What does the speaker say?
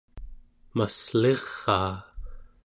massliraa